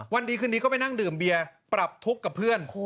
วันดีคืนนี้ก็ไปนั่งดื่มเบียร์ปรับทุกข์กับเพื่อน